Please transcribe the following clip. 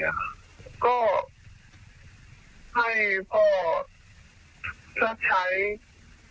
ก็ให้พ่อใช้สิ่งที่พ่อทำให้หนู